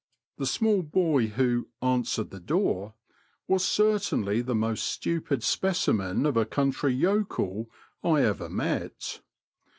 The small boy who answered the door "was certainly the most stupid specimen of a country yokel I ever met.